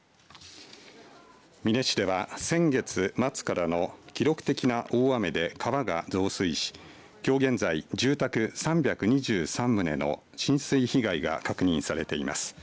美祢市では先月末からの記録的な大雨で川が増水しきょう現在、住宅３２３棟の浸水被害が確認されています。